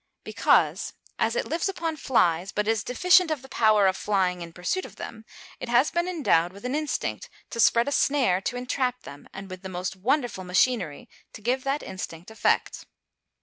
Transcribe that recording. _ Because, as it lives upon flies, but is deficient of the power of flying in pursuit of them, it has been endowed with an instinct to spread a snare to entrap them, and with the most wonderful machinery to give that instinct effect.